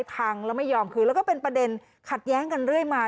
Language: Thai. ทางแล้วไม่ยอมคืนแล้วก็เป็นประเด็นขัดแย้งกันเรื่อยมา